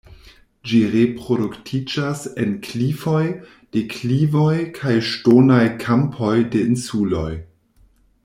Ĝi reproduktiĝas en klifoj, deklivoj kaj ŝtonaj kampoj de insuloj.